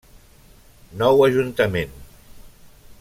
Nou Ajuntament.